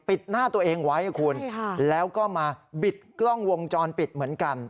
หน้าตัวเองไว้คุณแล้วก็มาบิดกล้องวงจรปิดเหมือนกัน